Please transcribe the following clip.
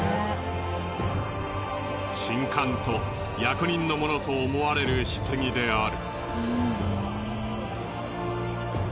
神官と役人のものと思われる棺である。